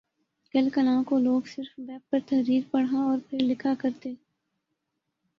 کل کلاں کو لوگ صرف ویب پر تحریر پڑھا اور پھر لکھا کر تھے